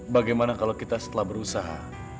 bagaimana kalau kita setelah berusaha